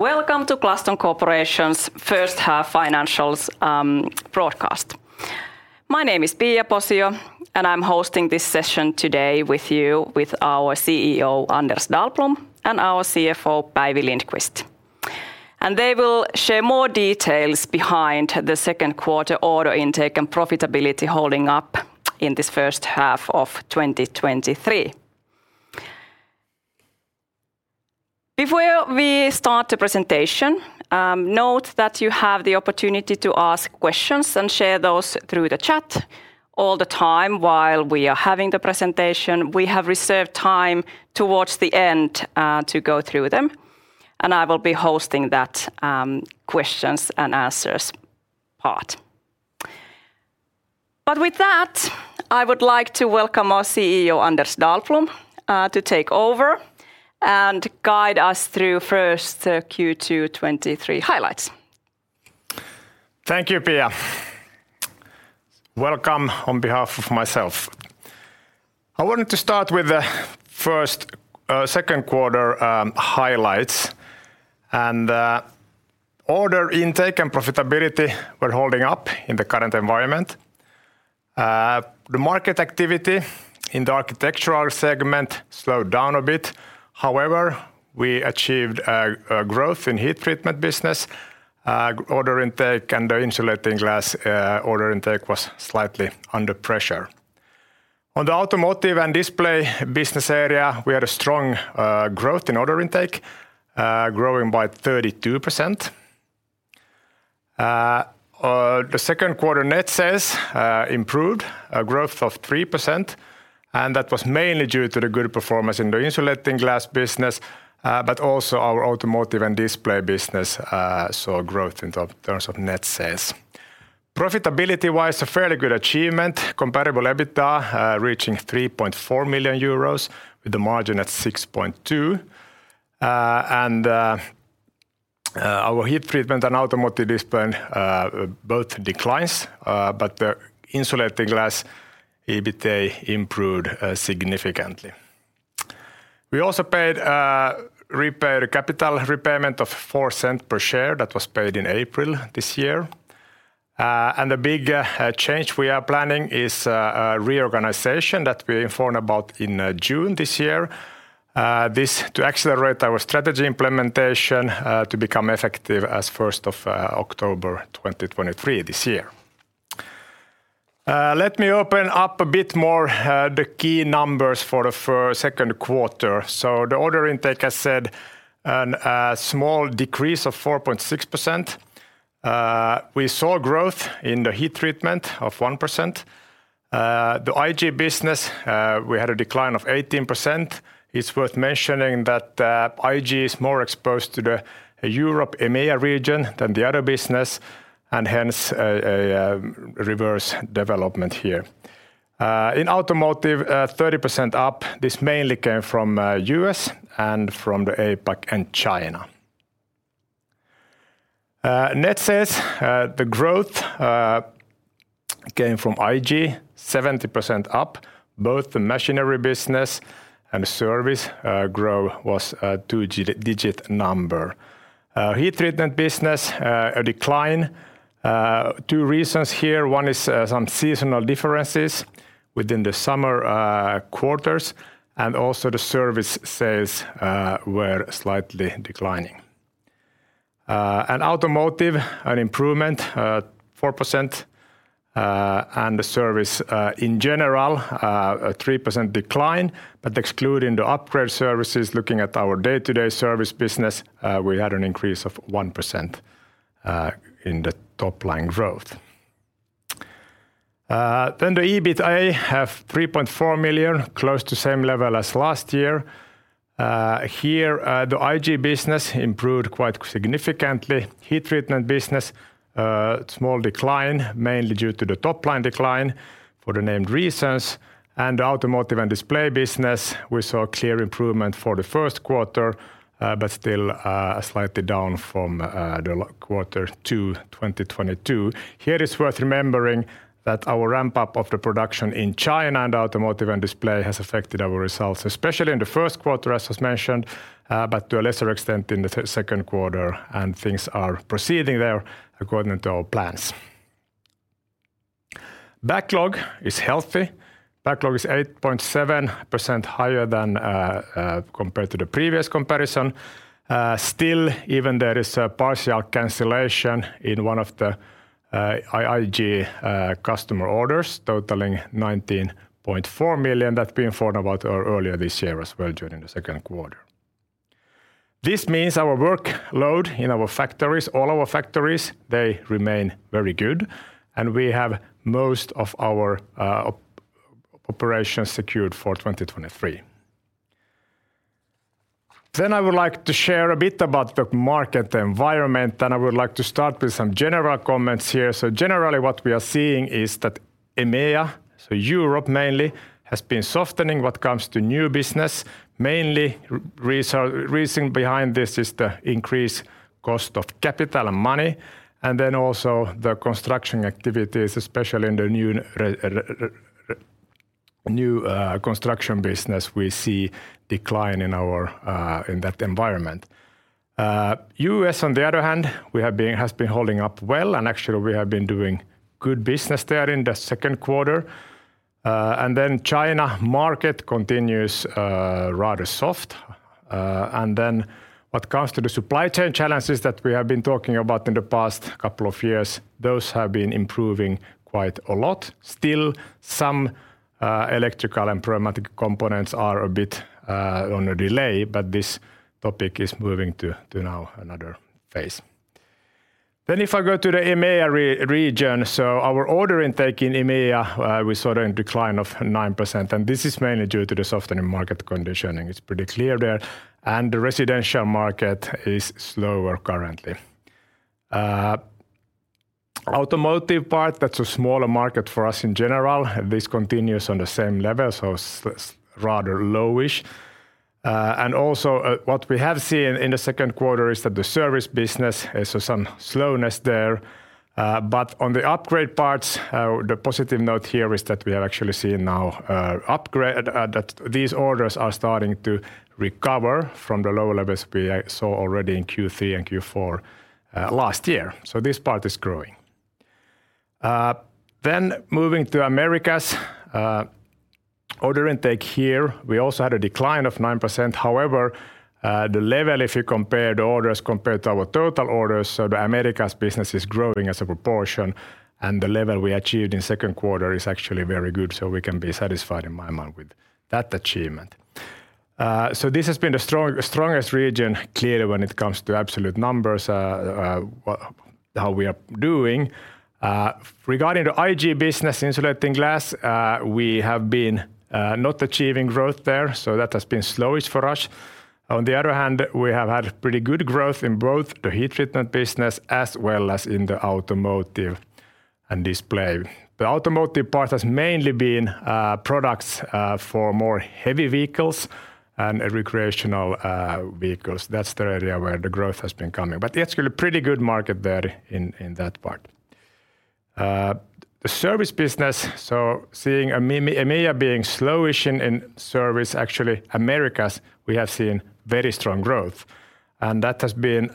Welcome to Glaston Corp's first half financials broadcast. My name is Pia Posio, and I'm hosting this session today with you, with our CEO, Anders Dahlblom, and our CFO, Päivi Lindqvist. They will share more details behind the second quarter order intake and profitability holding up in this first half of 2023. Before we start the presentation, note that you have the opportunity to ask questions and share those through the chat all the time while we are having the presentation. We have reserved time towards the end to go through them, and I will be hosting that questions and answers part. With that, I would like to welcome our CEO, Anders Dahlblom, to take over and guide us through first the Q2 2023 highlights. Thank you, Pia. Welcome on behalf of myself. I wanted to start with the first second quarter highlights, and order intake and profitability were holding up in the current environment. The market activity in the architectural segment slowed down a bit. However, we achieved a growth in heat treatment business order intake, and the insulating glass order intake was slightly under pressure. On the automotive and display business area, we had a strong growth in order intake, growing by 32%. The second quarter net sales improved a growth of 3%, and that was mainly due to the good performance in the insulating glass business, but also our automotive and display business saw a growth in terms of net sales. Profitability-wise, a fairly good achievement, comparable EBITA, reaching 3.4 million euros, with the margin at 6.2. Our heat treatment and automotive display, both declines, but the insulating glass, EBITA, improved significantly. We also paid, repay the capital repayment of 0.04 per share that was paid in April this year. The big change we are planning is a reorganization that we informed about in June this year. This to accelerate our strategy implementation, to become effective as 1st of October 2023, this year. Let me open up a bit more the key numbers for the second quarter. The order intake, I said, a small decrease of 4.6%. We saw growth in the heat treatment of 1%. The IG business, we had a decline of 18%. It's worth mentioning that IG is more exposed to the Europe, EMEA region than the other business, and hence, a, a, reverse development here. In automotive, 30% up, this mainly came from U.S. and from the APAC and China. Net sales, the growth came from IG, 70% up. Both the machinery business and service, grow was a two digi- digit number. Heat treatment business, a decline. Two reasons here. One is, some seasonal differences within the summer, quarters, and also the service sales were slightly declining. Automotive, an improvement, 4%, and the service, in general, a 3% decline, but excluding the upgrade services, looking at our day-to-day service business, we had an increase of 1% in the top line growth. The EBITA have 3.4 million, close to same level as last year. Here, the IG business improved quite significantly. Heat treatment business, small decline, mainly due to the top line decline for the named reasons. The automotive and display business, we saw a clear improvement for the first quarter, but still, slightly down from the quarter two 2022. Here, it's worth remembering that our ramp-up of the production in China and automotive and display has affected our results, especially in the first quarter, as was mentioned, but to a lesser extent in the second quarter. Things are proceeding there according to our plans. Backlog is healthy. Backlog is 8.7% higher than compared to the previous comparison. Still, even there is a partial cancellation in one of the IG customer orders, totaling 19.4 million that we informed about earlier this year as well during the second quarter. This means our workload in our factories, all our factories, they remain very good. We have most of our operations secured for 2023. I would like to share a bit about the market environment. I would like to start with some general comments here. Generally, what we are seeing is that EMEA, so Europe mainly, has been softening what comes to new business. Mainly, reasoning behind this is the increased cost of capital and money, then also the construction activities, especially in the new construction business, we see decline in our, in that environment. U.S., on the other hand, has been holding up well, and actually, we have been doing good business there in the second quarter. China market continues, rather soft. What comes to the supply chain challenges that we have been talking about in the past couple of years, those have been improving quite a lot. Still, some, electrical and pneumatic components are a bit, on a delay, but this topic is moving to, to now another phase. If I go to the EMEA region, our order intake in EMEA, we saw a decline of 9%. This is mainly due to the softening market condition. It's pretty clear there. The residential market is slower currently. Automotive part, that's a smaller market for us in general. This continues on the same level, so it's rather low-ish. Also, what we have seen in the second quarter is that the service business, there's some slowness there, but on the upgrade parts, the positive note here is that we have actually seen now upgrade... that these orders are starting to recover from the lower levels we saw already in Q3 and Q4 last year. This part is growing. Moving to Americas, order intake here, we also had a decline of 9%. However, the level, if you compare the orders compared to our total orders, the Americas business is growing as a proportion, and the level we achieved in second quarter is actually very good, so we can be satisfied in my mind with that achievement. So this has been the strongest region, clearly, when it comes to absolute numbers, how we are doing. Regarding the IG business, insulating glass, we have been not achieving growth there, so that has been slowish for us. On the other hand, we have had pretty good growth in both the heat treatment business, as well as in the automotive and display. The automotive part has mainly been products for more heavy vehicles and recreational vehicles. That's the area where the growth has been coming. It's still a pretty good market there in, in that part. The service business, so seeing EMEA being slowish in, in service, actually, Americas, we have seen very strong growth, and that has been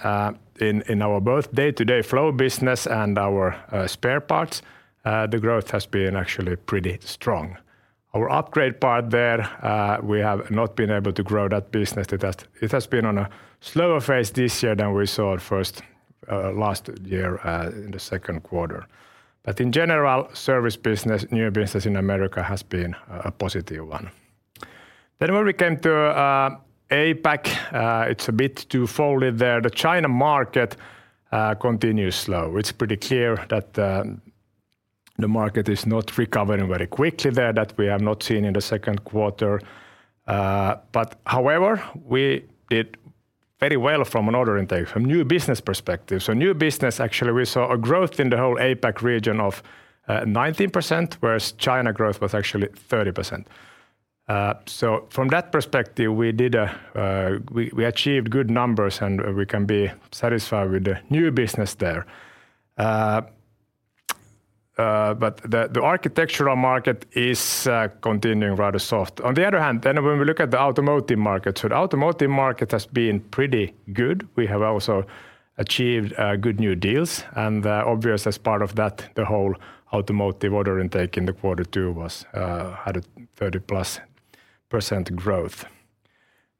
in, in our both day-to-day flow business and our spare parts, the growth has been actually pretty strong. Our upgrade part there, we have not been able to grow that business. It has, it has been on a slower phase this year than we saw at first last year in the second quarter. In general, service business, new business in America has been a, a positive one. When we came to APAC, it's a bit two-folded there. The China market continues slow. It's pretty clear that the market is not recovering very quickly there, that we have not seen in the second quarter. However, we did very well from an order intake, from new business perspective. New business, actually, we saw a growth in the whole APAC region of 19%, whereas China growth was actually 30%. From that perspective, we achieved good numbers, and we can be satisfied with the new business there. The architectural market is continuing rather soft. When we look at the automotive market, the automotive market has been pretty good. We have also achieved good new deals, and obvious as part of that, the whole automotive order intake in the quarter two was had a 30%+ growth.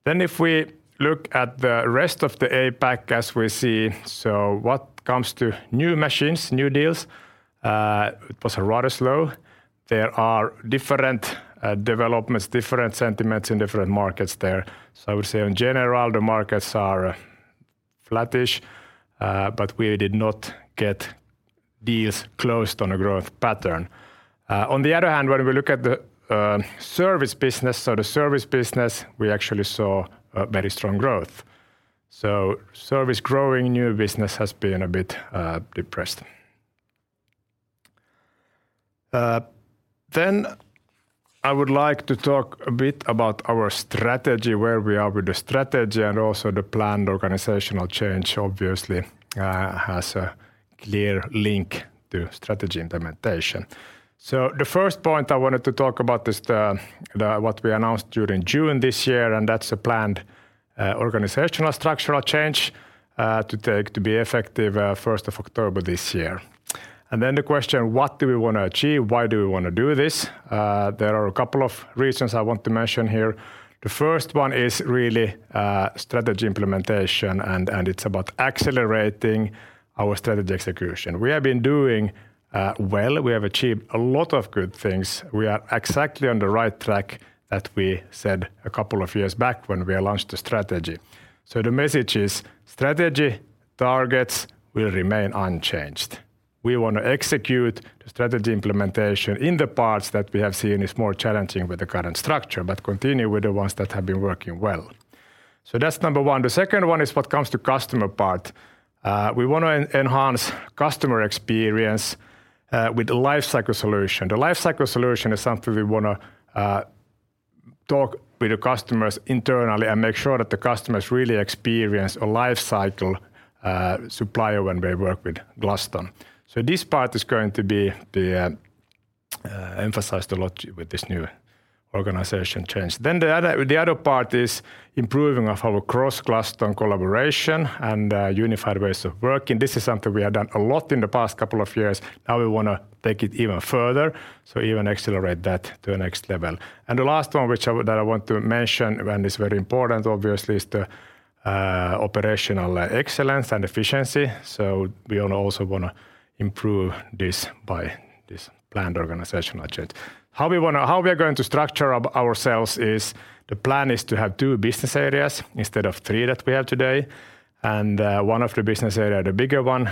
If we look at the rest of the APAC, as we see, so what comes to new machines, new deals, it was rather slow. There are different developments, different sentiments in different markets there. I would say, in general, the markets are flattish, but we did not get deals closed on a growth pattern. On the other hand, when we look at the service business, so the service business, we actually saw a very strong growth. Service growing, new business has been a bit depressed. I would like to talk a bit about our strategy, where we are with the strategy and also the planned organizational change obviously, has a clear link to strategy implementation. The first point I wanted to talk about is the. what we announced during June this year, and that's a planned organizational structural change, to take, to be effective, 1st of October this year. Then the question: What do we want to achieve? Why do we want to do this? There are a couple of reasons I want to mention here. The first one is really, strategy implementation, and, and it's about accelerating our strategy execution. We have been doing well. We have achieved a lot of good things. We are exactly on the right track that we said a couple of years back when we launched the strategy. The message is: strategy targets will remain unchanged. We want to execute the strategy implementation in the parts that we have seen is more challenging with the current structure, but continue with the ones that have been working well. That's number one. The second one is what comes to customer part. We want to enhance customer experience with the life cycle solution. The life cycle solution is something we wanna talk with the customers internally and make sure that the customers really experience a life cycle supplier when they work with Glaston. This part is going to be the emphasized a lot with this new organization change. The other, the other part is improving of our cross-Glaston collaboration and unified ways of working. This is something we have done a lot in the past couple of years. Now we want to take it even further, so even accelerate that to the next level. The last one, which that I want to mention and is very important, obviously, is the operational excellence and efficiency. We also want to improve this by this planned organizational change. How we are going to structure our, ourselves is the plan is to have two business areas instead of three that we have today, and one of the business area, the bigger one,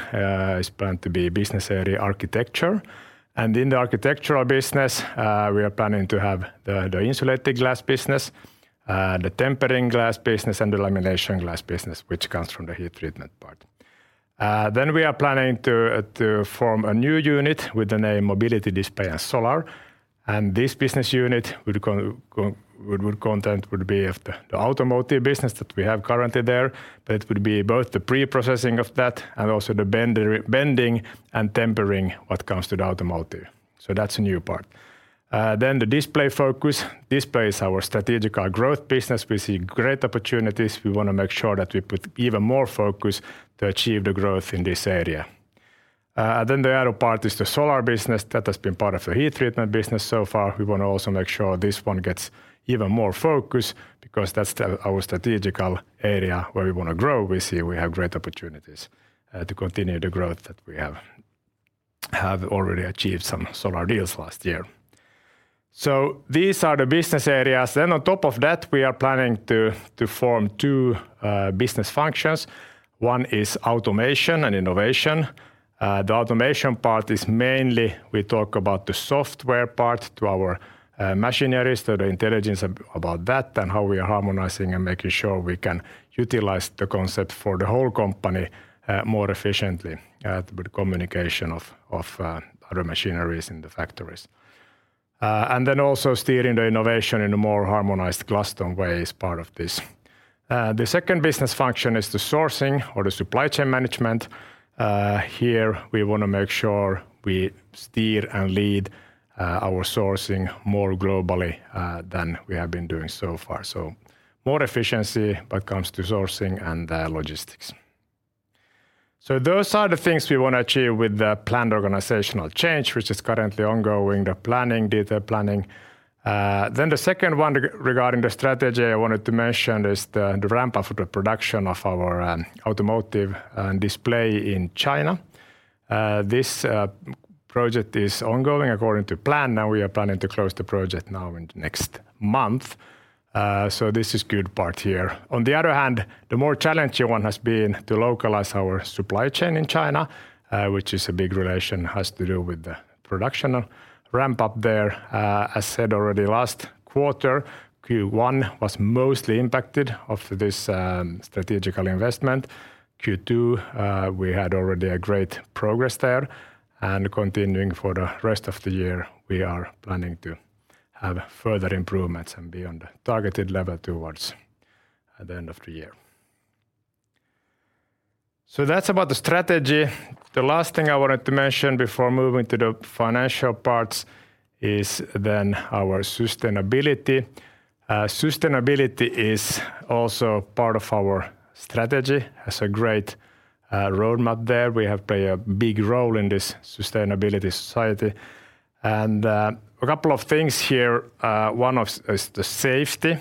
is planned to be Business Area Architecture. In the architectural business, we are planning to have the, the insulating glass business, the tempering glass business, and the lamination glass business, which comes from the heat treatment part. We are planning to form a new unit with the name Mobility, Display, & Solar, and this business unit would content, would be of the automotive business that we have currently there. It would be both the pre-processing of that and also the bending re- bending and tempering, what comes to the automotive. The display focus. Display is our strategical growth business. We see great opportunities. We want to make sure that we put even more focus to achieve the growth in this area. The other part is the solar business. That has been part of the heat treatment business so far. We want to also make sure this one gets even more focus because that's the, our strategical area where we want to grow. We see we have great opportunities to continue the growth that we have, have already achieved some solar deals last year. These are the business areas. On top of that, we are planning to, to form two business functions. One is automation and innovation. The automation part is mainly we talk about the software part to our machineries, so the intelligence about that, and how we are harmonizing and making sure we can utilize the concept for the whole company more efficiently with communication of, of, other machineries in the factories. Then also steering the innovation in a more harmonized Glaston way is part of this. The second business function is the sourcing or the supply chain management. Here, we want to make sure we steer and lead our sourcing more globally than we have been doing so far. More efficiency when it comes to sourcing and logistics. Those are the things we want to achieve with the planned organizational change, which is currently ongoing, the planning, detail planning. The second one regarding the strategy I wanted to mention, is the, the ramp up of the production of our automotive and display in China. This project is ongoing according to plan. We are planning to close the project now in the next month, so this is good part here. On the other hand, the more challenging one has been to localize our supply chain in China, which is a big relation, has to do with the production ramp up there. As said already, last quarter, Q1, was mostly impacted of this strategical investment. Q2, we had already a great progress there, and continuing for the rest of the year, we are planning to have further improvements and be on the targeted level towards the end of the year. That's about the strategy. The last thing I wanted to mention before moving to the financial parts is then our sustainability. Sustainability is also part of our strategy, has a great roadmap there. We have play a big role in this sustainability society, and a couple of things here, one of is the safety.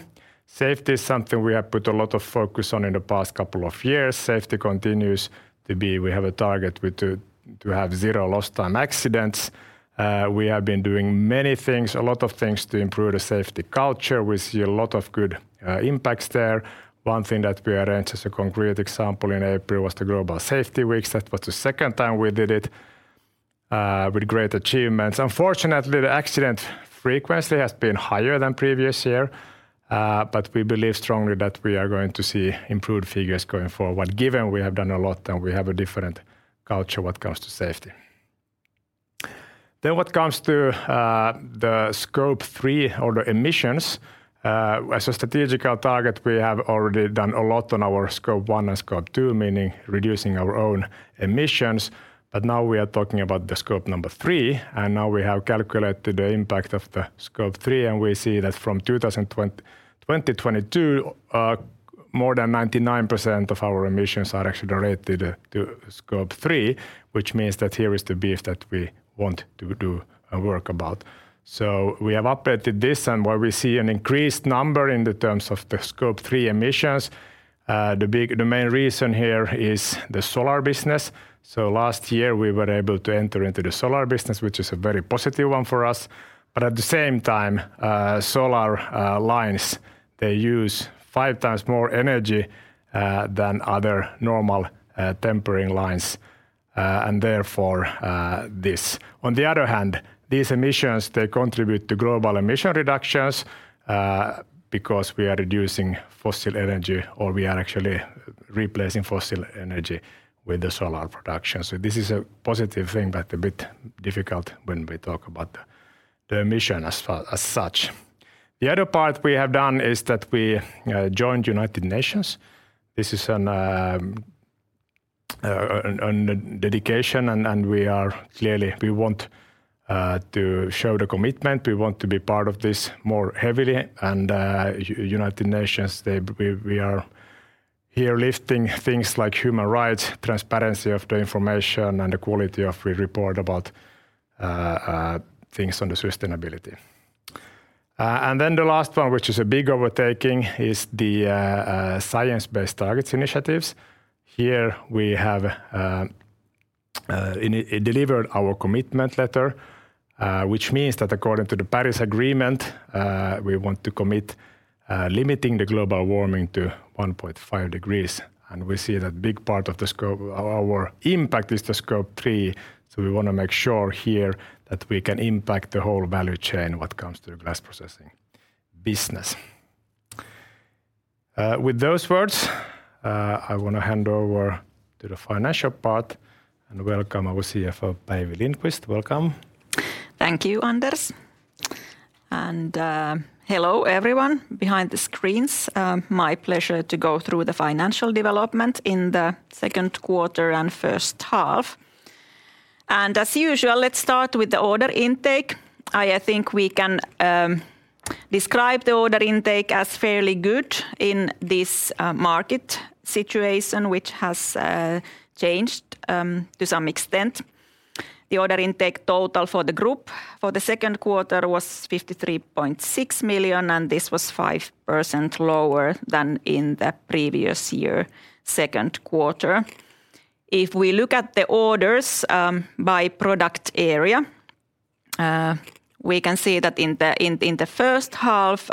Safety is something we have put a lot of focus on in the past couple of years. Safety continues to be... We have a target with to have zero lost time accidents. We have been doing many things, a lot of things, to improve the safety culture. We see a lot of good impacts there. One thing that we arranged as a concrete example in April, was the Global Safety Weeks. That was the second time we did it with great achievements. Unfortunately, the accident frequency has been higher than previous year. We believe strongly that we are going to see improved figures going forward, given we have done a lot and we have a different culture when it comes to safety. When it comes to, the Scope 3, or the emissions, as a strategical target, we have already done a lot on our Scope 1 and Scope 2, meaning reducing our own emissions, but now we are talking about the Scope 3, and now we have calculated the impact of the Scope 3, and we see that from 2022, more than 99% of our emissions are actually related to Scope 3, which means that here is the beef that we want to do a work about. We have updated this, and where we see an increased number in the terms of the Scope 3 emissions, the main reason here is the solar business. Last year, we were able to enter into the solar business, which is a very positive one for us. At the same time, solar lines, they use five times more energy than other normal tempering lines, and therefore, this. On the other hand, these emissions, they contribute to global emission reductions, because we are reducing fossil energy, or we are actually replacing fossil energy with the solar production. This is a positive thing, but a bit difficult when we talk about the emissions, the mission as far, as such. The other part we have done is that we joined United Nations. This is a dedication, and we are clearly we want to show the commitment. We want to be part of this more heavily, United Nations, we are here lifting things like human rights, transparency of the information, and the quality of we report about things on the sustainability. Then the last one, which is a big overtaking, is the Science Based Targets initiatives. Here we have delivered our commitment letter, which means that according to the Paris Agreement, we want to commit limiting the global warming to 1.5 degrees. We see that big part of the scope, our impact is the Scope 3, so we want to make sure here that we can impact the whole value chain when it comes to the glass processing business. With those words, I want to hand over to the financial part and welcome our CFO, Päivi Lindqvist. Welcome. Thank you, Anders. Hello, everyone behind the screens. My pleasure to go through the financial development in the second quarter and first half. As usual, let's start with the order intake. I think we can describe the order intake as fairly good in this market situation, which has changed to some extent. The order intake total for the group for the second quarter was 53.6 million. This was 5% lower than in the previous year second quarter. If we look at the orders by product area, we can see that in the first half,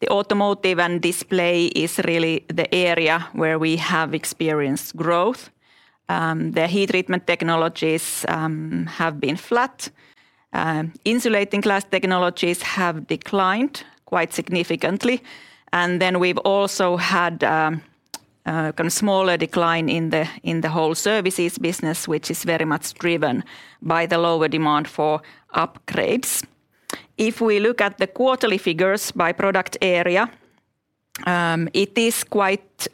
the automotive and display is really the area where we have experienced growth. The heat treatment technologies have been flat. Insulating glass technologies have declined quite significantly. We've also had a kind of smaller decline in the whole services business, which is very much driven by the lower demand for upgrades. If we look at the quarterly figures by product area, it is quite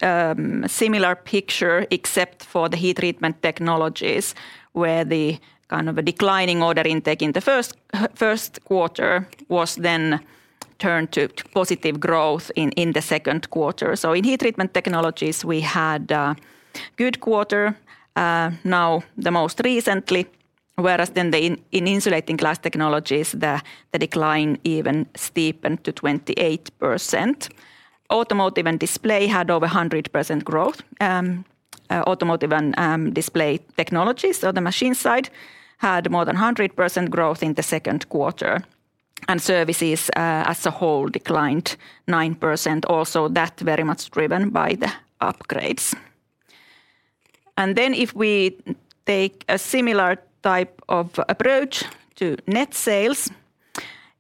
similar picture, except for the heat treatment technologies, where the kind of a declining order intake in the first quarter was then turned to positive growth in the second quarter. In heat treatment technologies, we had a good quarter now the most recently, whereas then the insulating glass technologies, the decline even steepened to 28%. automotive and display had over 100% growth. automotive and display technologies, so the machine side, had more than 100% growth in the second quarter. Services, as a whole, declined 9%, also that very much driven by the upgrades. Then if we take a similar type of approach to net sales,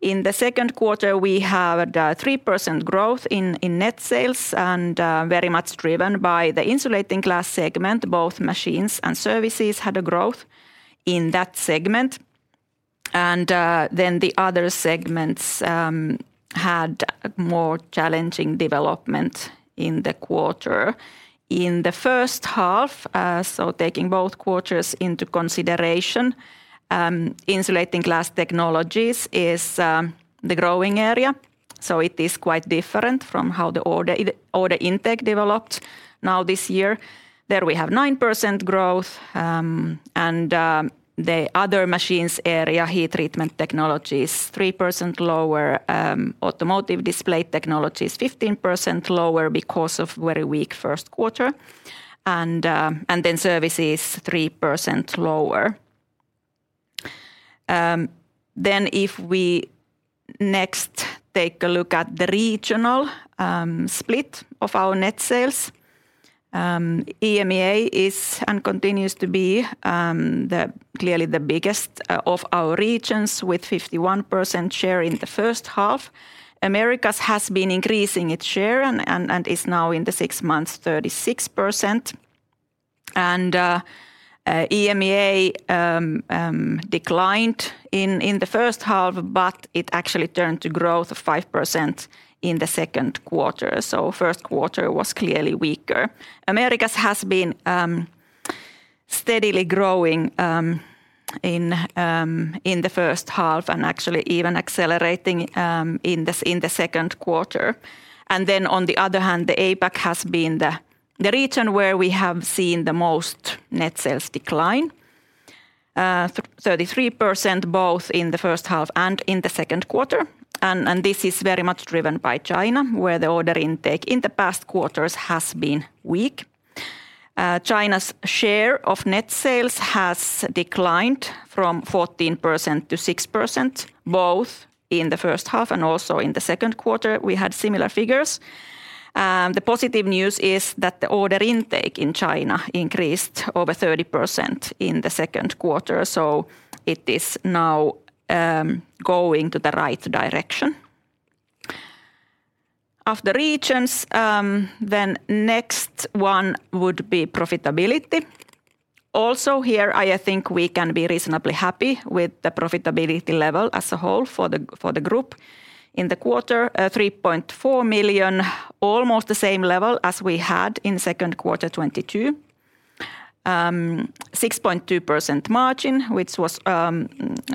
in the second quarter, we have 3% growth in net sales, and very much driven by the insulating glass segment. Both machines and services had a growth in that segment. Then the other segments had more challenging development in the quarter. In the first half, taking both quarters into consideration, insulating glass technologies is the growing area, so it is quite different from how the order, order intake developed now this year. There we have 9% growth, and the other machines area, heat treatment technologies, 3% lower. Automotive display technology is 15% lower because of very weak first quarter, then services, 3% lower. If we next take a look at the regional split of our net sales, EMEA is and continues to be the clearly the biggest of our regions, with 51% share in the first half. Americas has been increasing its share and is now, in the six months, 36%. EMEA declined in the first half, but it actually turned to growth of 5% in the second quarter. First quarter was clearly weaker. Americas has been steadily growing in the first half and actually even accelerating in the second quarter. Then on the other hand, the APAC has been the, the region where we have seen the most net sales decline, 33%, both in the first half and in the second quarter. This is very much driven by China, where the order intake in the past quarters has been weak. China's share of net sales has declined from 14% to 6%, both in the first half and also in the second quarter, we had similar figures. The positive news is that the order intake in China increased over 30% in the second quarter, so it is now going to the right direction. Of the regions, then next one would be profitability. Here, I think we can be reasonably happy with the profitability level as a whole for the, for the group. In the quarter, 3.4 million, almost the same level as we had in second quarter 2022. 6.2% margin, which was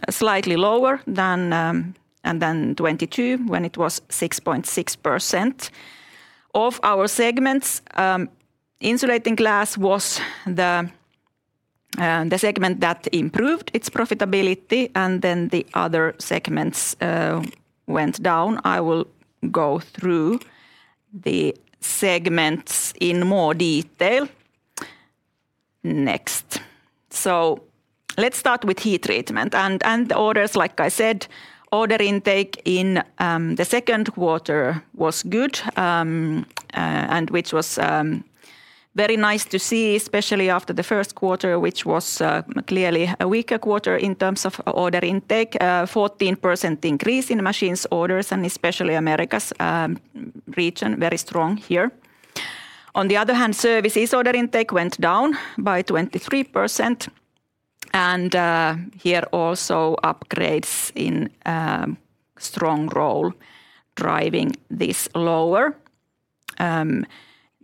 slightly lower than 2022, when it was 6.6%. Of our segments, insulating glass was the segment that improved its profitability, and then the other segments went down. I will go through the segments in more detail next. Let's start with heat treatment, and the orders, like I said, order intake in the second quarter was good, and which was very nice to see, especially after the first quarter, which was clearly a weaker quarter in terms of order intake. 14% increase in machines orders, and especially Americas, region, very strong here. On the other hand, services order intake went down by 23%, and here also, upgrades in a strong role driving this lower.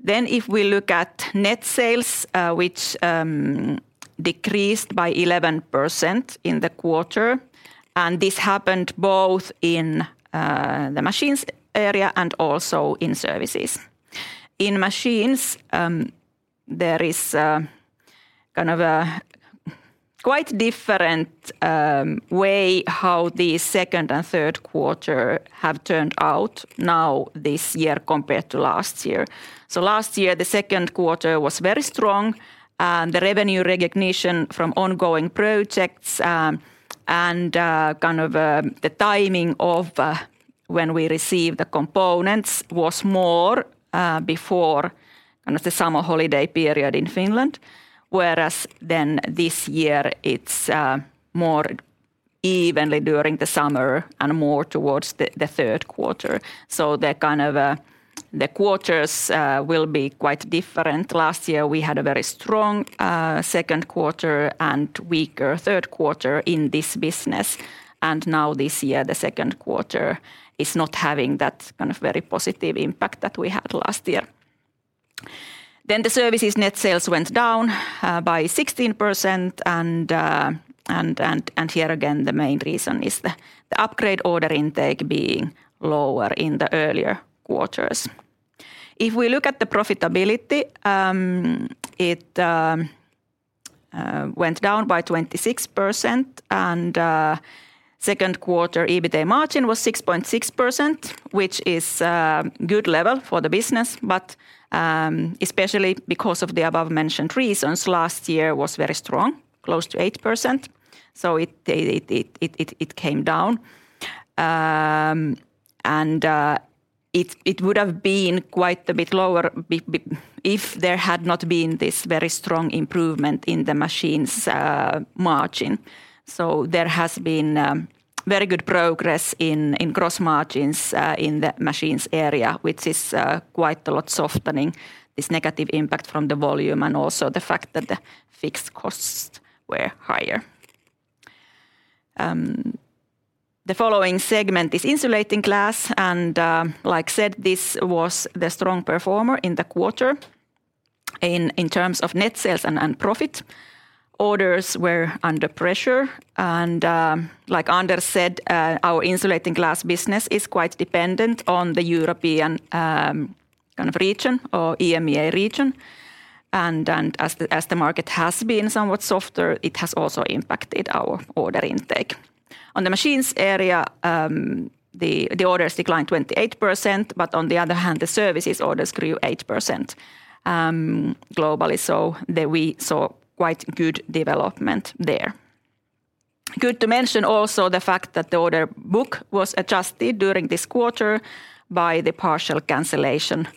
If we look at net sales, which decreased by 11% in the quarter, and this happened both in the machines area and also in services. In machines, there is a kind of a quite different way how the second and third quarter have turned out now this year compared to last year. Last year, the second quarter was very strong, and the revenue recognition from ongoing projects, and kind of the timing of when we received the components was more before kind of the summer holiday period in Finland. Whereas then this year, it's more evenly during the summer and more towards the, the third quarter. The kind of, the quarters, will be quite different. Last year, we had a very strong, second quarter and weaker third quarter in this business, and now this year, the second quarter is not having that kind of very positive impact that we had last year. The services net sales went down by 16%, and here again, the main reason is the, the upgrade order intake being lower in the earlier quarters. If we look at the profitability, it went down by 26%, and second quarter EBITA margin was 6.6%, which is a good level for the business, but especially because of the above-mentioned reasons, last year was very strong, close to 8%, so it came down. It would have been quite a bit lower if there had not been this very strong improvement in the machines' margin. There has been very good progress in gross margins in the machines area, which is quite a lot softening this negative impact from the volume, and also the fact that the fixed costs were higher. The following segment is insulating glass, like said, this was the strong performer in the quarter in terms of net sales and profit. Orders were under pressure, like Anders said, our insulating glass business is quite dependent on the European kind of region or EMEA region, as the market has been somewhat softer, it has also impacted our order intake. On the machines area, the orders declined 28%, but on the other hand, the services orders grew 8% globally, so we saw quite good development there. Good to mention also the fact that the order book was adjusted during this quarter by the partial cancellation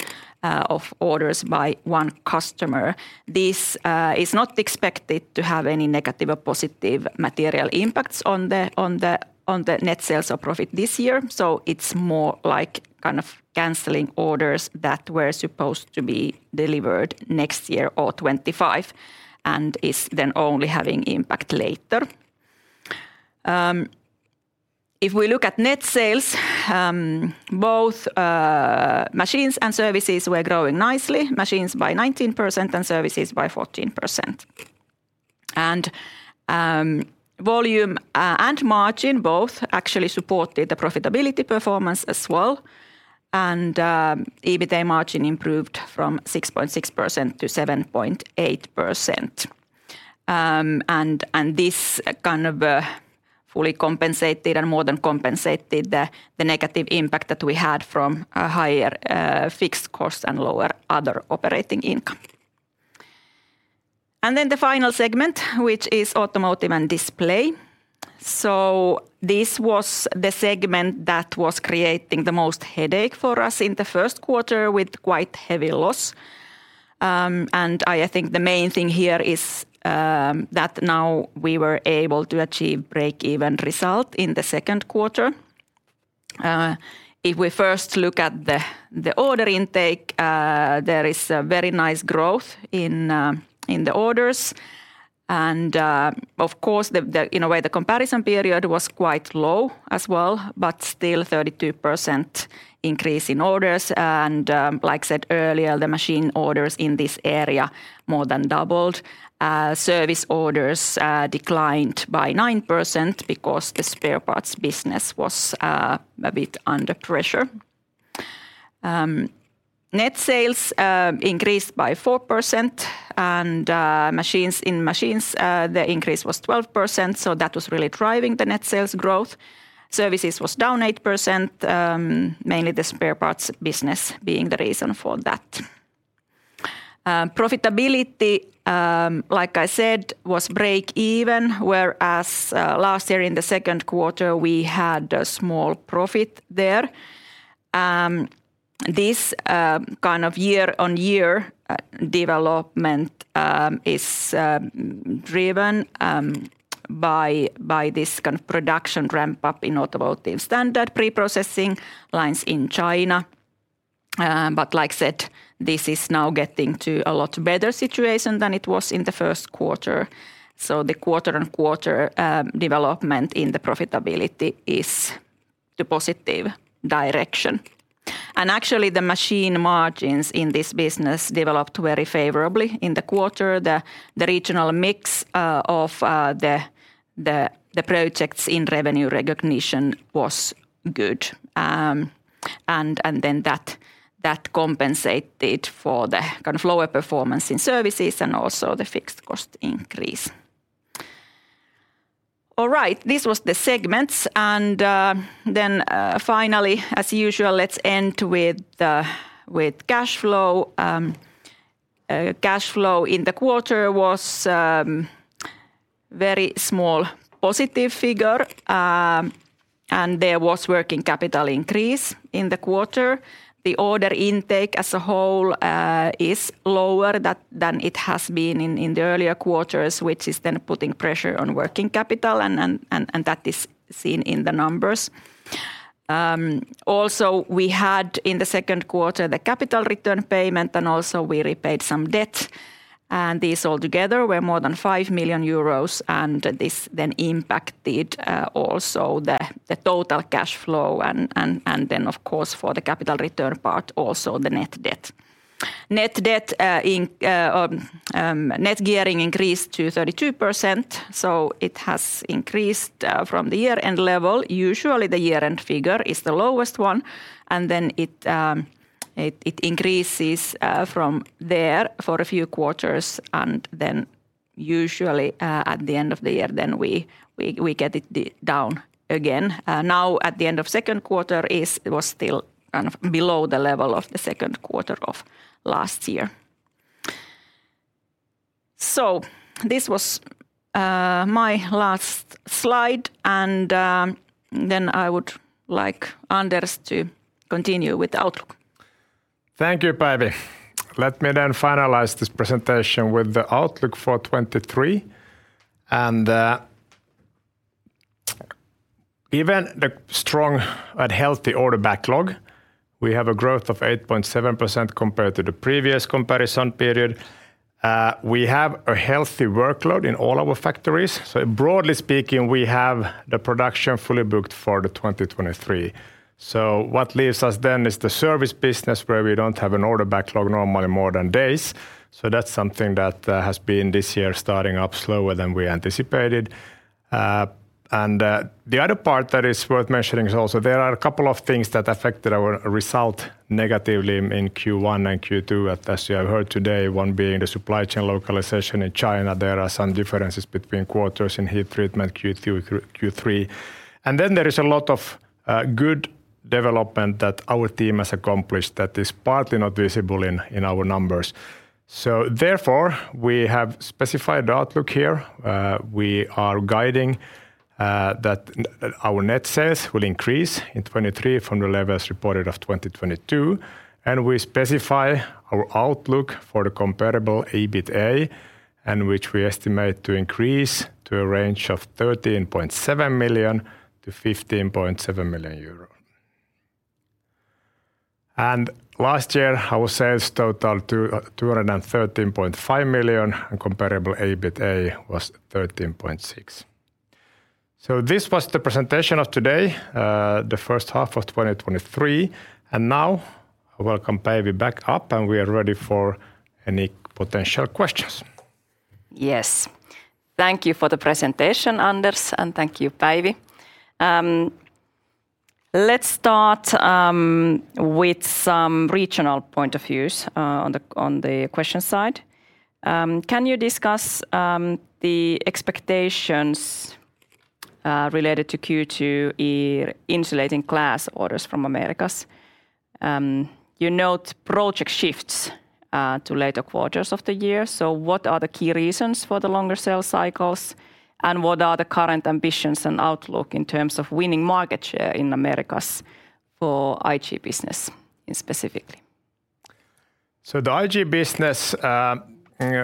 of orders by one customer. This is not expected to have any negative or positive material impacts on the, on the, on the net sales or profit this year, so it's more like kind of canceling orders that were supposed to be delivered next year or 2025 and is then only having impact later. If we look at net sales, both machines and services were growing nicely, machines by 19% and services by 14%. Volume and margin both actually supported the profitability performance as well, and EBITA margin improved from 6.6% to 7.8%. This kind of fully compensated and more than compensated the, the negative impact that we had from a higher fixed cost and lower other operating income. Then the final segment, which is automotive and display. This was the segment that was creating the most headache for us in the first quarter, with quite heavy loss. I think the main thing here is that now we were able to achieve break-even result in the second quarter. If we first look at the, the order intake, there is a very nice growth in the orders, and, of course, the, the, in a way, the comparison period was quite low as well, but still 32% increase in orders. Like I said earlier, the machine orders in this area more than doubled. Service orders declined by 9% because the spare parts business was a bit under pressure. Net sales increased by 4%, and machines, in machines, the increase was 12%, so that was really driving the net sales growth. Services was down 8%, mainly the spare parts business being the reason for that. Profitability, like I said, was break even, whereas last year in the second quarter, we had a small profit there. This kind of year-on-year development is driven by this kind of production ramp-up in automotive standard preprocessing lines in China. Like I said, this is now getting to a lot better situation than it was in the first quarter, so the quarter-on-quarter development in the profitability is the positive direction. Actually, the machine margins in this business developed very favorably in the quarter. The regional mix of the projects in revenue recognition was good. Then that compensated for the kind of lower performance in services and also the fixed cost increase. All right, this was the segments, then finally, as usual, let's end with the cash flow. Cash flow in the quarter was very small positive figure, and there was working capital increase in the quarter. The order intake as a whole is lower that, than it has been in, in the earlier quarters, which is then putting pressure on working capital, and that is seen in the numbers. Also, we had, in the second quarter, the capital return payment, and also we repaid some debt, and these all together were more than 5 million euros, and this then impacted also the, the total cash flow and then, of course, for the capital return part, also the net debt. Net debt in net gearing increased to 32%, so it has increased from the year-end level. Usually, the year-end figure is the lowest one, and then it, it increases from there for a few quarters, and then usually, at the end of the year, then we, we, we get it down again. Now, at the end of second quarter, it was still kind of below the level of the second quarter of last year. This was my last slide, and then I would like Anders to continue with the outlook. Thank you, Päivi. Let me then finalize this presentation with the outlook for 2023. Given the strong and healthy order backlog, we have a growth of 8.7% compared to the previous comparison period. We have a healthy workload in all our factories, broadly speaking, we have the production fully booked for the 2023. What leaves us then is the service business, where we don't have an order backlog normally more than days, that's something that has been, this year, starting up slower than we anticipated. The other part that is worth mentioning is also there are a couple of things that affected our result negatively in Q1 and Q2, as, as you have heard today, one being the supply chain localization in China. There are some differences between quarters in heat treatment, Q2 through Q3. There is a lot of good development that our team has accomplished that is partly not visible in, in our numbers. Therefore, we have specified the outlook here. We are guiding that our net sales will increase in 2023 from the levels reported of 2022, and we specify our outlook for the comparable EBITA, which we estimate to increase to a range of 13.7 million-15.7 million euro. Last year, our sales totaled 213.5 million, and comparable EBITA was 13.6. This was the presentation of today, the first half of 2023, and now I welcome Päivi back up, and we are ready for any potential questions. Yes. Thank you for the presentation, Anders, and thank you, Päivi. Let's start with some regional point of views on the, on the question side. Can you discuss the expectations related to Q2 in insulating glass orders from Americas? You note project shifts to later quarters of the year, so what are the key reasons for the longer sales cycles, and what are the current ambitions and outlook in terms of winning market share in Americas?... For IG business in specifically? The IG business,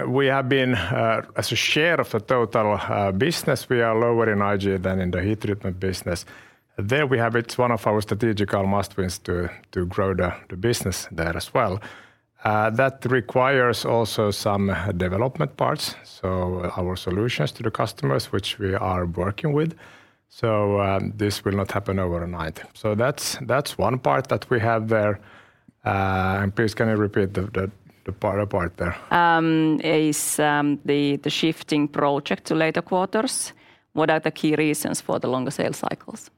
we have been, as a share of the total, business, we are lower in IG than in the heat treatment business. There we have it's one of our strategical must-wins to grow the, the business there as well. That requires also some development parts, so our solutions to the customers, which we are working with. This will not happen overnight. That's, that's one part that we have there. Please, can you repeat the, the, the part, part there? Is, the, the shifting project to later quarters, what are the key reasons for the longer sales cycles?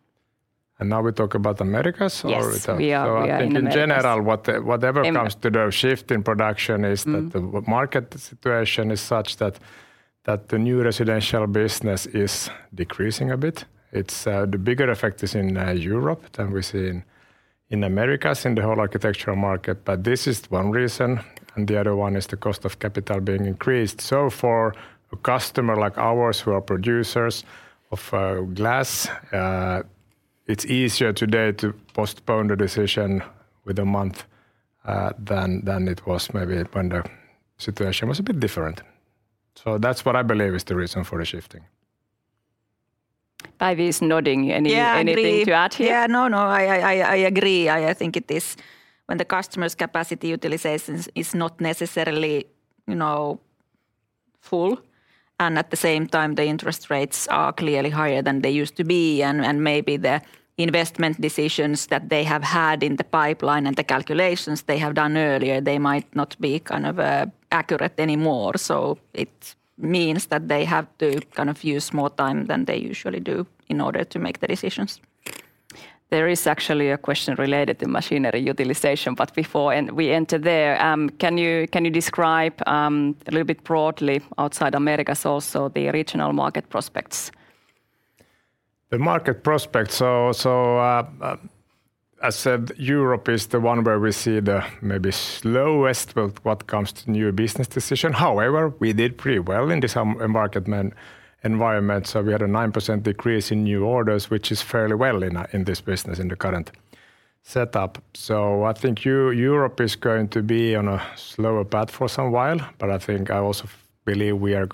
Now we talk about Americas? Yes- We talk- We are, we are in Americas. I think in general, what- Am-... whatever comes to the shift in production is- Mm-hmm... that the market situation is such that, that the new residential business is decreasing a bit. It's the bigger effect is in Europe than we see in Americas, in the whole architectural market. This is one reason, and the other one is the cost of capital being increased. For a customer like ours, who are producers of glass, it's easier today to postpone the decision with a month, than, than it was maybe when the situation was a bit different. That's what I believe is the reason for the shifting. Päivi is nodding. Yeah, agree. Anything to add here? Yeah, no, no, I, I, I, I agree. I, I think it is when the customer's capacity utilization is not necessarily, you know, full, and at the same time, the interest rates are clearly higher than they used to be. maybe the investment decisions that they have had in the pipeline and the calculations they have done earlier, they might not be kind of accurate anymore. it means that they have to kind of use more time than they usually do in order to make the decisions. There is actually a question related to machinery utilization, but before... We enter there, can you, can you describe, a little bit broadly, outside Americas also, the regional market prospects? The market prospects, as said, Europe is the one where we see the maybe slowest with what comes to new business decision. However, we did pretty well in this market man, environment. We had a 9% decrease in new orders, which is fairly well in this business, in the current setup. I think Europe is going to be on a slower path for some while, but I think I also believe we are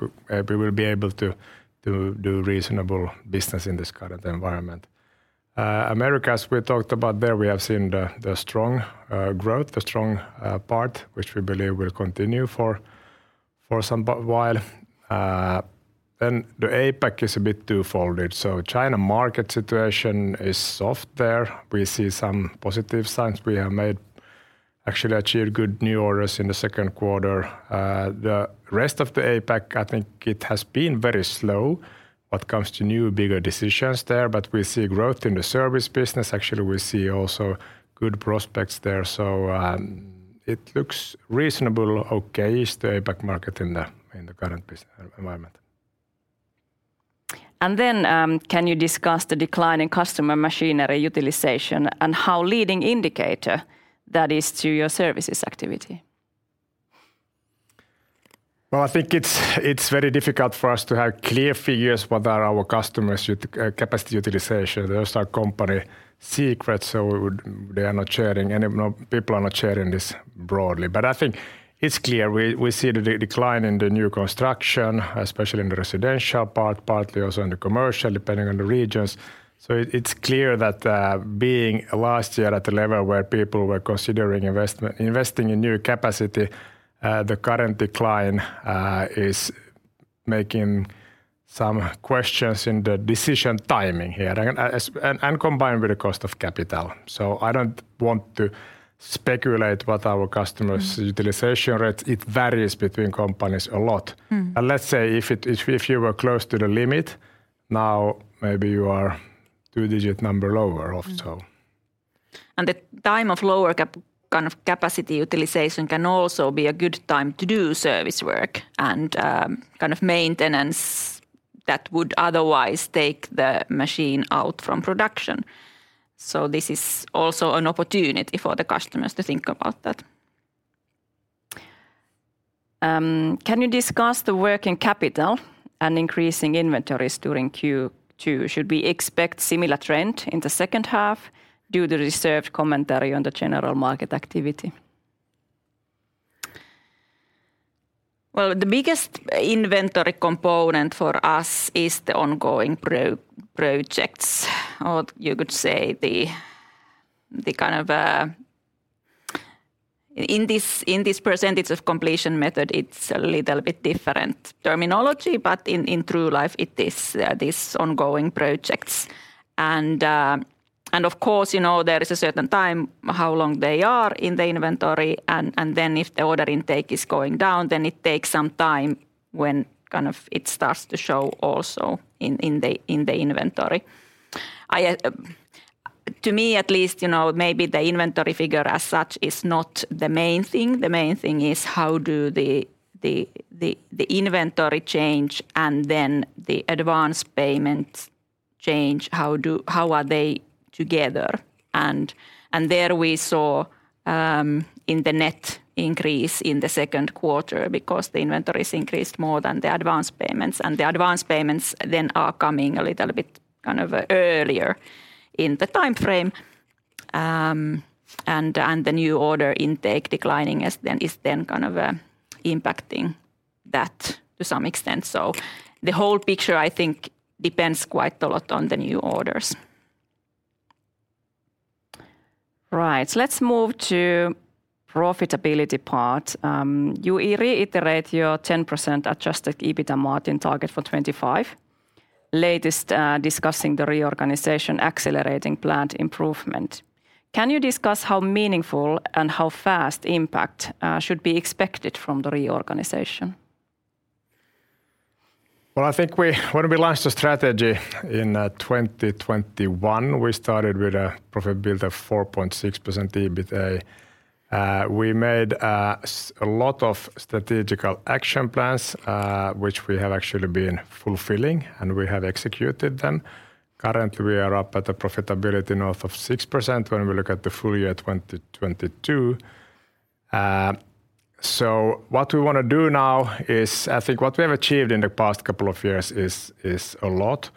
we will be able to, to do reasonable business in this current environment. Americas, we talked about there, we have seen the, the strong growth, the strong part, which we believe will continue for, for some but while. The APAC is a bit twofold. China market situation is soft there. We see some positive signs. We have made... Actually achieved good new orders in the second quarter. The rest of the APAC, I think it has been very slow, what comes to new, bigger decisions there, we see growth in the service business. Actually, we see also good prospects there. It looks reasonable, okay, is the APAC market in the, in the current business environment. Can you discuss the decline in customer machinery utilization, and how leading indicator that is to your services activity? Well, I think it's, it's very difficult for us to have clear figures what are our customers' ut- capacity utilization. Those are company secrets, so we would. They are not sharing, and, you know, people are not sharing this broadly. I think it's clear, we, we see the decline in the new construction, especially in the residential part, partly also in the commercial, depending on the regions. It, it's clear that, being last year at the level where people were considering investment, investing in new capacity, the current decline, is making some questions in the decision timing here, and combined with the cost of capital. I don't want to speculate what our customers' - Mm-hmm utilization rate. It varies between companies a lot. Mm-hmm. Let's say if you were close to the limit, now maybe you are two-digit number lower or so. The time of lower cap, kind of, capacity utilization can also be a good time to do service work and kind of maintenance that would otherwise take the machine out from production. This is also an opportunity for the customers to think about that. Can you discuss the working capital and increasing inventories during Q2? Should we expect similar trend in the second half due to the reserved commentary on the general market activity? Well, the biggest inventory component for us is the ongoing pro- projects, or you could say the kind of... In this percentage of completion method, it's a little bit different terminology, but in, in true life, it is this ongoing projects. Of course, you know, there is a certain time, how long they are in the inventory, and then if the order intake is going down, then it takes some time when it starts to show also in the inventory. I, to me, at least, you know, maybe the inventory figure as such is not the main thing. The main thing is how do the inventory change and then the advance payments change, how are they together? There we saw in the net increase in the second quarter, because the inventories increased more than the advance payments. The advance payments then are coming a little bit earlier in the time frame. And, and the new order intake declining is then, is then kind of, impacting that to some extent. The whole picture, I think, depends quite a lot on the new orders. Right. Let's move to profitability part. You re-reiterate your 10% adjusted EBITDA margin target for 2025, latest, discussing the reorganization accelerating plant improvement. Can you discuss how meaningful and how fast impact should be expected from the reorganization? Well, I think when we launched the strategy in 2021, we started with a profitability of 4.6% EBITA. We made a lot of strategic action plans, which we have actually been fulfilling, and we have executed them. Currently, we are up at the profitability north of 6% when we look at the full year 2022. What we wanna do now is... I think what we have achieved in the past couple of years is a lot.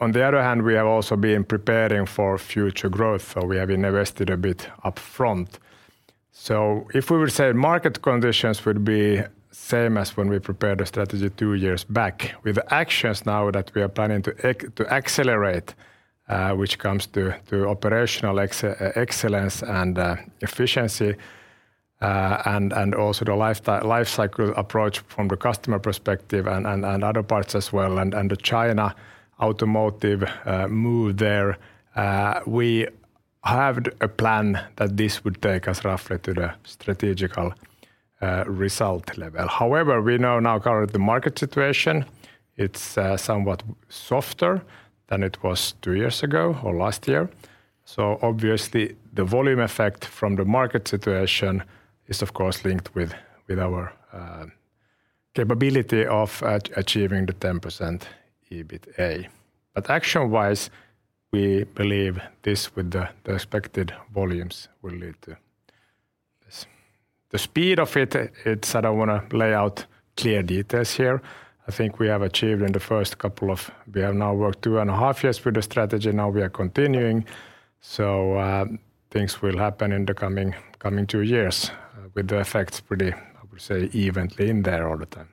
On the other hand, we have also been preparing for future growth, we have invested a bit upfront. If we were to say market conditions would be same as when we prepared the strategy two years back, with actions now that we are planning to accelerate, which comes to operational excellence and efficiency, and also the life cycle approach from the customer perspective and other parts as well, and the China automotive move there, we have a plan that this would take us roughly to the strategical result level. However, we know now currently the market situation, it's somewhat softer than it was two years ago or last year. Obviously, the volume effect from the market situation is, of course, linked with our capability of achieving the 10% EBITA. Action-wise, we believe this, with the expected volumes, will lead to this. The speed of it, it's... I don't wanna lay out clear details here. I think we have achieved in the first couple of... We have now worked 2.5 years with the strategy, now we are continuing, things will happen in the coming, coming two years, with the effects pretty, I would say, evenly in there all the time.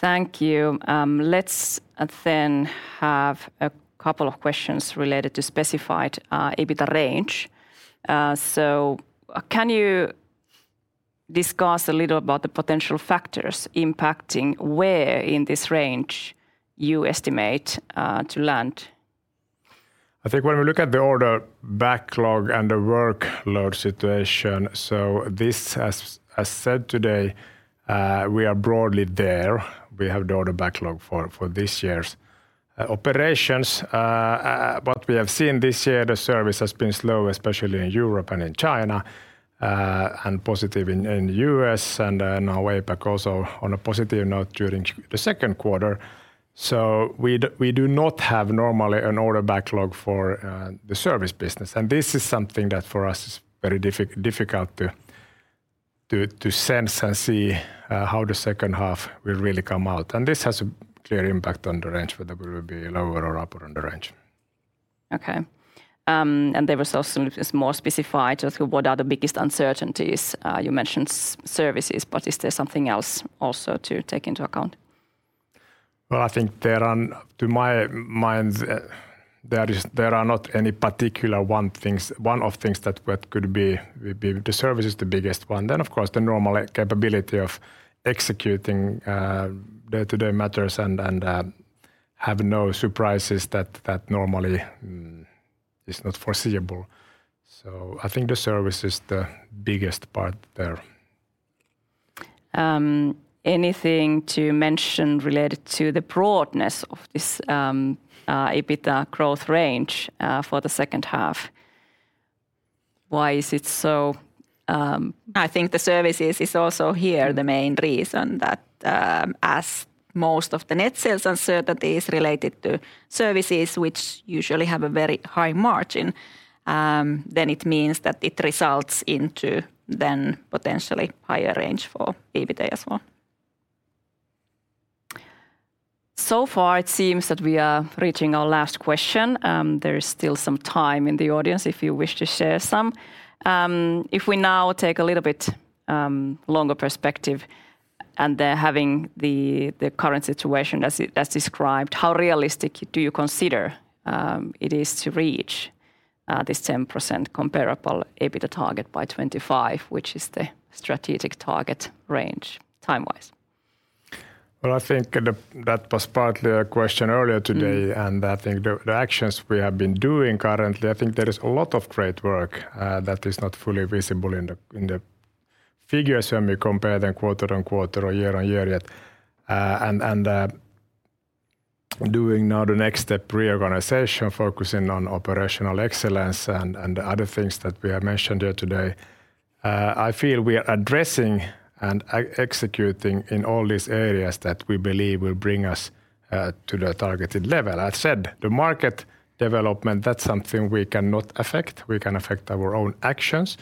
Thank you. Let's then have two questions related to specified EBITDA range. Can you discuss a little about the potential factors impacting where in this range you estimate to land? I think when we look at the order backlog and the workload situation, this, as said today, we are broadly there. We have the order backlog for, for this year's operations. We have seen this year, the service has been slow, especially in Europe and in China, and positive in, in the U.S. and in Norway, but also on a positive note during the second quarter. We do not have normally an order backlog for the service business, and this is something that, for us, is very difficult to sense and see, how the second half will really come out. This has a clear impact on the range, whether we will be lower or upper on the range. Okay. There was also just more specified as to what are the biggest uncertainties. You mentioned services, is there something else also to take into account? Well, I think there are, to my mind, there are not any particular one of things that, that could be, would be. The service is the biggest one. Of course, the normal capability of executing, day-to-day matters and have no surprises that normally is not foreseeable. I think the service is the biggest part there. Anything to mention related to the broadness of this EBITDA growth range for the second half? Why is it so? I think the services is also here the main reason, that, as most of the net sales uncertainty is related to services, which usually have a very high margin, then it means that it results into then potentially higher range for EBITA as well. So far, it seems that we are reaching our last question. There is still some time in the audience if you wish to share some. If we now take a little bit longer perspective, and then having the, the current situation as it, as described, how realistic do you consider it is to reach this 10% comparable EBITA target by 2025, which is the strategic target range, time-wise? Well, I think that was partly a question earlier today. Mm-hmm. I think the, the actions we have been doing currently, I think there is a lot of great work that is not fully visible in the, in the figures when we compare them quarter on quarter or year on year yet. And doing now the next step reorganization, focusing on operational excellence and other things that we have mentioned here today, I feel we are addressing and executing in all these areas that we believe will bring us to the targeted level. I said, the market development, that's something we cannot affect. We can affect our own actions,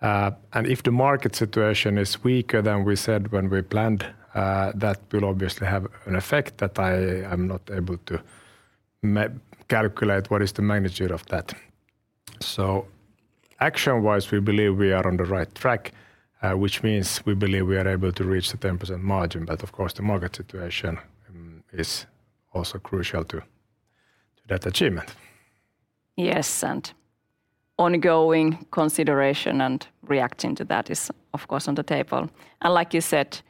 and if the market situation is weaker than we said when we planned, that will obviously have an effect that I am not able to calculate what is the magnitude of that. Action-wise, we believe we are on the right track, which means we believe we are able to reach the 10% margin, but of course, the market situation, mm, is also crucial to that achievement. Yes. Ongoing consideration and reacting to that is, of course, on the table. Like you said,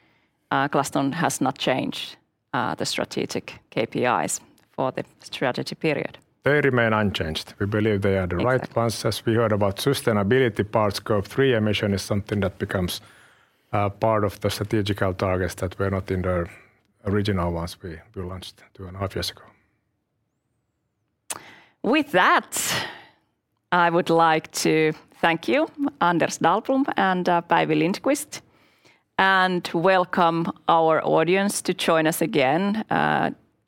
Glaston has not changed the strategic KPIs for the strategy period. They remain unchanged. We believe they are the right- Exactly... ones. As we heard about sustainability parts, Scope 3 emission is something that becomes part of the strategical targets that were not in the original ones we, we launched 2.5 years ago. With that, I would like to thank you, Anders Dahlblom and Päivi Lindqvist, and welcome our audience to join us again,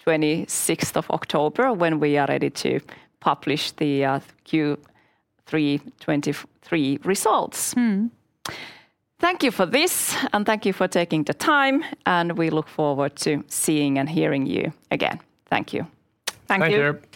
26th of October, when we are ready to publish the, Q3 2023 results. Mm-hmm. Thank you for this, and thank you for taking the time, and we look forward to seeing and hearing you again. Thank you. Thank you. Thank you!